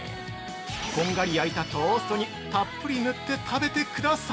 こんがり焼いたトーストにたっぷり塗って食べてください！